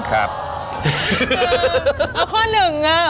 เอาข้อหนึ่งอ่ะ